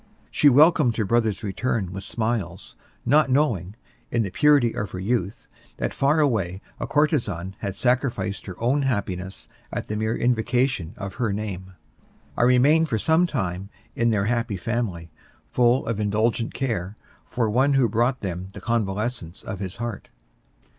She welcomed her brother's return with smiles, not knowing, in the purity of her youth, that far away a courtesan had sacrificed her own happiness at the mere invocation of her name. I remained for some time in their happy family, full of indulgent care for one who brought them the convalescence of his heart.